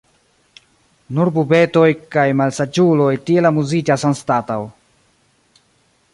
Nur bubetoj kaj malsaĝuloj tiel amuziĝas anstataŭ.